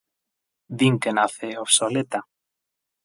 Din que nace obsoleta.